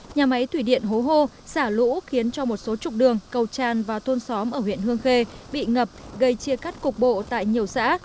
nhà máy thủy điện hố hô xả lũ khiến cho một số trục đường cầu tràn và thôn xóm ở huyện hương khê bị ngập gây chia cắt cục bộ tại nhiều xã